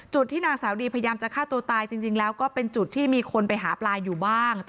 ที่นางสาวดีพยายามจะฆ่าตัวตายจริงแล้วก็เป็นจุดที่มีคนไปหาปลาอยู่บ้าง